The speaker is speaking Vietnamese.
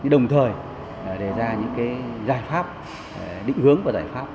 đồng thời đề ra những giải pháp định hướng và giải pháp